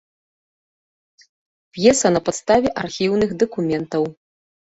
П'еса на падставе архіўных дакументаў.